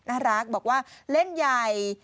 น่ารักบอกว่าเล่นใหญ่